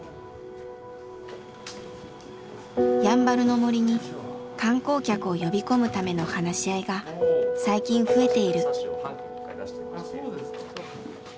やんばるの森に観光客を呼び込むための話し合いが最近増えている。